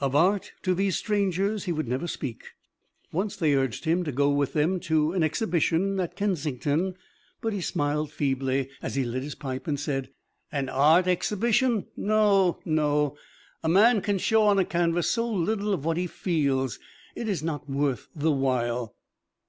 Of art, to these strangers he would never speak. Once they urged him to go with them to an exhibition at Kensington, but he smiled feebly as he lit his pipe and said, "An Art Exhibition? No, no; a man can show on a canvas so little of what he feels, it is not worth the while."